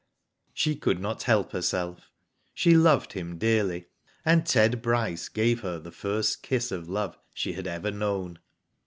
She could not help herself. She loved him dearly, and Ted Bryce gave her the first kiss of love she had ever known.